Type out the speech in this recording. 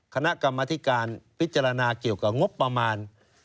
คณะกรรมธิการพิจารณาเกี่ยวกับงบประมาณ